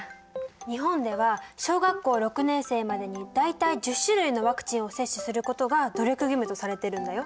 日本では小学校６年生までに大体１０種類のワクチンを接種することが努力義務とされているんだよ。